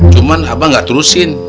cuman abah gak terusin